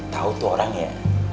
tau tuh orang ya